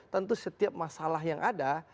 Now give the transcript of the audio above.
tentu setiap masalah yang ada